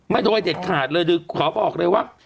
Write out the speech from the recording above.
มาโดยเด็ดขาดเลยโดยขอบอกเลยว่า